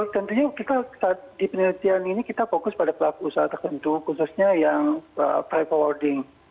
tentunya kita di penelitian ini kita fokus pada pelaku usaha tertentu khususnya yang priva wording